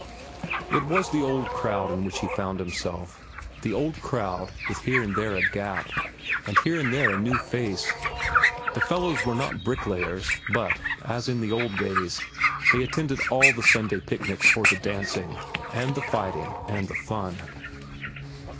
It was the old crowd in which he found himself—the old crowd, with here and there a gap, and here and there a new face. The fellows were not bricklayers, but, as in the old days, they attended all Sunday picnics for the dancing, and the fighting, and the fun.